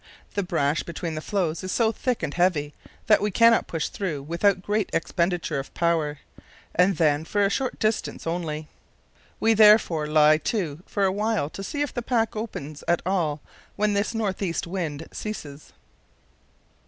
The brash between the floes is so thick and heavy that we cannot push through without a great expenditure of power, and then for a short distance only. We therefore lie to for a while to see if the pack opens at all when this north east wind ceases."